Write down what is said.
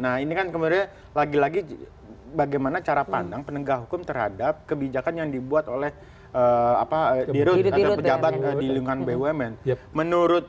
nah ini kan kemudian lagi lagi bagaimana cara pandang penegak hukum terhadap kebijakan yang dibuat oleh dirut atau pejabat di lingkungan bumn